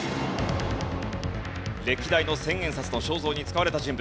歴代の千円札の肖像に使われた人物。